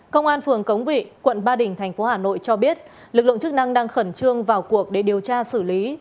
công an phường cống vị quận ba đình thành phố hà nội cho biết lực lượng chức năng đang khẩn trương vào cuộc để điều tra xử lý